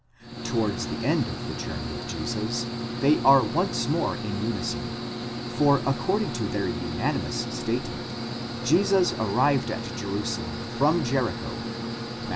'Towards the end of the journey of Jesus, they are once more in unison, for according to their —_— statement, Jesus arrived at Jerusalem from Jericho (Matt.